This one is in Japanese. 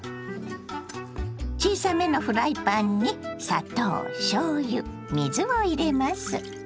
小さめのフライパンに砂糖しょうゆ水を入れます。